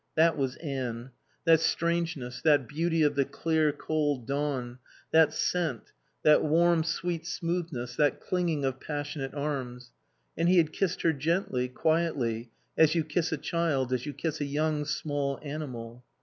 That was Anne, that strangeness, that beauty of the clear, cold dawn, that scent, that warm sweet smoothness, that clinging of passionate arms. And he had kissed her gently, quietly, as you kiss a child, as you kiss a young, small animal.